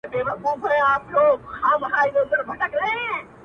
خیر حتمي کارونه مه پرېږده کار باسه